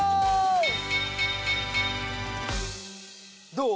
どう？